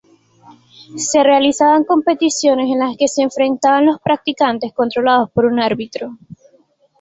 Se realizaban competiciones en las que se enfrentaban los practicantes, controlados por un árbitro.